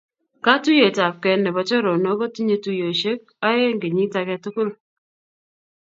Katuiyetabgei nebo choronook kotinyei tuiyosyek aeng kenyiit age tugul.